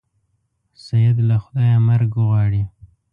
سید له خدایه مرګ غواړي.